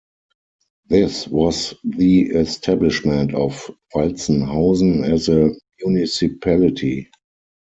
This was the establishment of Walzenhausen as a municipality.